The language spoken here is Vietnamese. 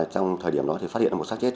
trong thời điểm đó thì phát hiện một sát chết